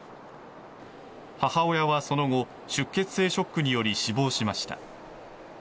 母親はその後出血性ショックにより死亡しました。